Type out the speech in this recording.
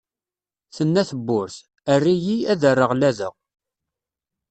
Tenna tebburt: err-iyi, ad rreɣ lada!